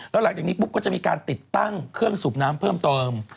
แล้วหลังจากนี้ปุ๊บก็จะมีการติดตั้งเครื่องสูบน้ำเพิ่มเติม